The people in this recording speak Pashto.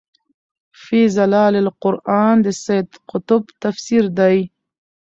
في ظِلال القُرآن د سيد قُطب تفسير دی